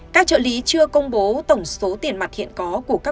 các trợ lý chưa công bố tổng số tiền mặt hiện có